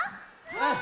うん！